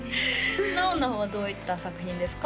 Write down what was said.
なおなおはどういった作品ですか？